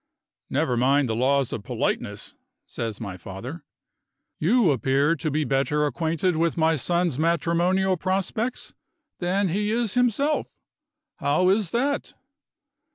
"Never mind the laws of politeness," says my father. "You appear to be better acquainted with my son's matrimonial prospects than he is himself. How is that?"